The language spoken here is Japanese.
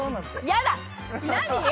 やだ、何？